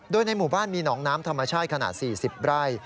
โดยในหมู่บ้านมีหนองน้ำธรรมชาติขนาด๔๐ไร่